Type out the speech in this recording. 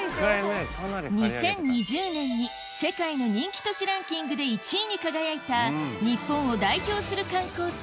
２０２０年に世界の人気都市ランキングで１位に輝いた日本を代表する観光地